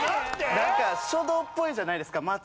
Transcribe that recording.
なんか書道っぽいじゃないですか松って。